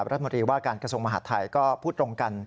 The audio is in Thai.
รัฐมนตรีว่าการกระทรวงมหาดไทยก็พูดตรงกัน